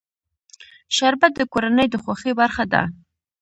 شربت د کورنۍ د خوښۍ برخه ده